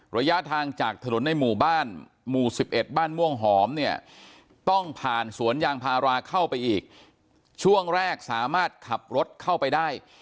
ระยะทางจากถนนในหมู่บ้านหมู่๑๑บ้านม่วงหอมเนี่ยต้องผ่านสวนยางพาราเข้าไปอีกช่วงแรกสามารถขับรถเข้าไปได้